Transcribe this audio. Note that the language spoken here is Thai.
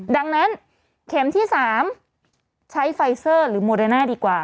ดังนั้นเข็มที่๓ใช้ไฟเซอร์หรือโมเดน่าดีกว่า